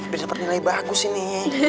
bisa pernilai bagus ini